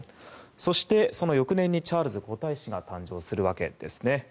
そして、その翌年にチャールズ皇太子が誕生するわけですね。